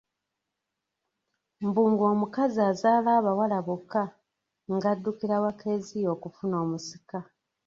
Mbu ng'omukazi azaala abawala bokka ng'addukira wa Kezia okufuna omusika.